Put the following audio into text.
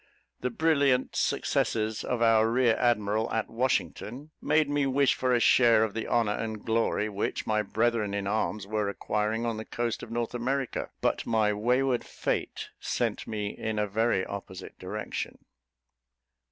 The brilliant successes of our rear admiral at Washington made me wish for a share of the honour and glory which my brethren in arms were acquiring on the coast of North America; but my wayward fate sent me in a very opposite direction.